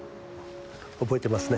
覚えてますね？